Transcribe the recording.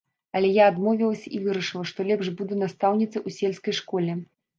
Але я адмовілася і вырашыла, што лепш буду настаўніцай у сельскай школе.